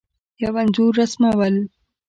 یو انځور رسمول